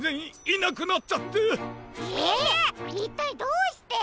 いったいどうして？